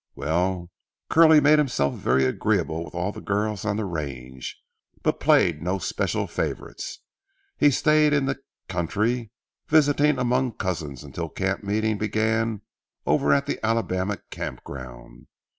Well, Curly made himself very agreeable with all the girls on the range, but played no special favorites. He stayed in the country, visiting among cousins, until camp meeting began over at the Alabama Camp Ground.